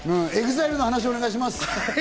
ＥＸＩＬＥの話、お願いします。